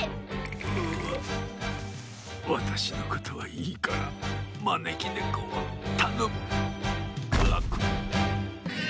うわたしのことはいいからまねきねこをたのむガクッ。